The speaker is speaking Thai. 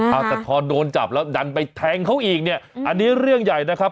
เอาแต่พอโดนจับแล้วดันไปแทงเขาอีกเนี่ยอันนี้เรื่องใหญ่นะครับ